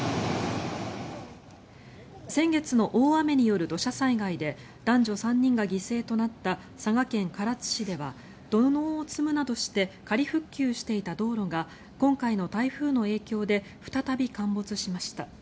先月の大雨による土砂災害で男女３人が犠牲となった佐賀県唐津市では土のうを積むなどして仮復旧していた道路が今回の台風の影響で再び陥没しました。